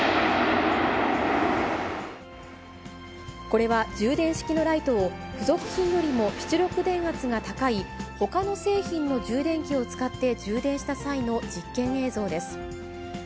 これは、充電式のライトを、付属品よりも出力電圧が高い、ほかの製品の充電器を使って充電した際の実験映像です。